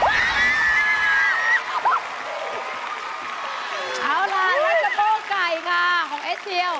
เอาล่ะและกะโพกไก่งาของเอสเซียว